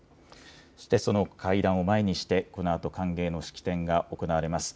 その会談を前にしてこのあと歓迎の式典が行われます。